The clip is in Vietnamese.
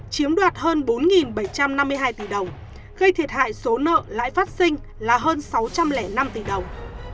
chiếm đoạt hơn bốn bảy trăm năm mươi hai tỷ đồng gây thiệt hại số nợ lãi phát sinh là hơn sáu trăm linh năm tỷ đồng